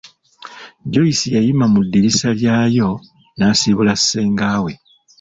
Joyce yayima mu ddirisa lyayo n'asiibula ssenga we.